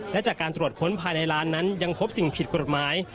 และจากการตรวจค้นภายในร้านนั้นยังพบสิ่งผิดกฎหมาย